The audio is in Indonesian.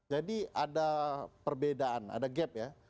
jadi ada perbedaan ada gap ya